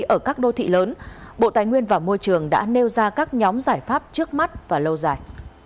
ở các đô thị lớn bộ tài nguyên và môi trường đã nêu ra các nhóm giải pháp trước mắt và lâu dài